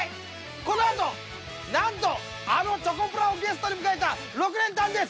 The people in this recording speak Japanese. このあとなんとあのチョコプラをゲストに迎えた６連単です！